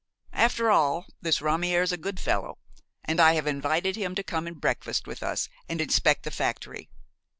After all, this Ramière's a good fellow, and I have invited him to come and breakfast with us and inspect the factory.